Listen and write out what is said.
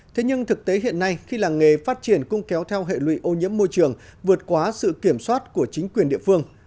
thế nhưng thực tế hiện nay khi làng nghề phát triển cũng kéo theo hệ lụy ô nhiễm môi trường vượt quá sự kiểm soát của chính quyền địa phương